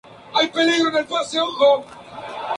Todas estas actividades se llevan a cabo simultáneamente.